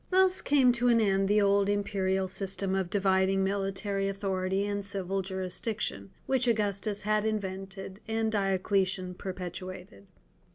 Thus came to an end the old imperial system of dividing military authority and civil jurisdiction, which Augustus had invented and Diocletian perpetuated.